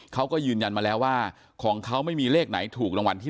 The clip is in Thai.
เขาก็ยืนยันมาแล้วว่าของเขาไม่มีเลขไหนถูกรางวัลที่๑